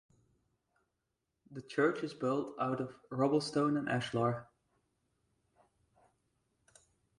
The church is built out of rubble stone and ashlar.